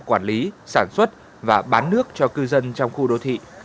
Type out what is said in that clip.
quản lý sản xuất và bán nước cho cư dân trong khu đô thị